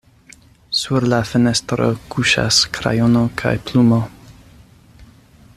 Sur la fenestro kuŝas krajono kaj plumo.